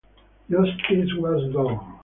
Justice was done.